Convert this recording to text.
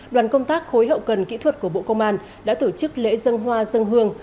đoàn công tác khối hậu cần kỹ thuật của bộ công an đã tổ chức lễ dân hoa dân hương